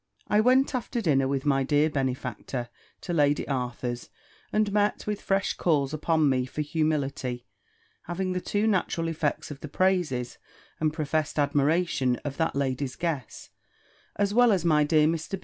I went after dinner, with my dear benefactor, to Lady Arthur's; and met with fresh calls upon me for humility, having the two natural effects of the praises and professed admiration of that lady's guests, as well as my dear Mr. B.'